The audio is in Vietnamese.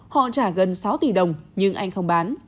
họ trả gần sáu tỷ đồng nhưng anh không bán